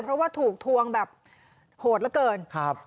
เพราะว่าถูกทวงแบบโหดแล้วเกิน